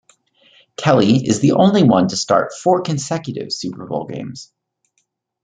Kelly is the only one to start four consecutive Super Bowl games.